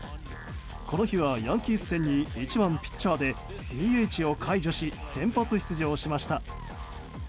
この日はヤンキース戦に１番ピッチャーでＤＨを解除し先発出場しました。